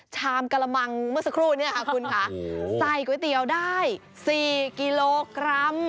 ชามกะละมังเมื่อสักครู่เนี่ยค่ะคุณค่ะใส่ก๋วยเตี๋ยวได้๔กิโลกรัม